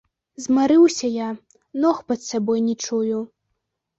Змарыўся я, ног пад сабой не чую.